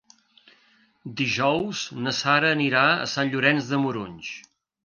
Dijous na Sara anirà a Sant Llorenç de Morunys.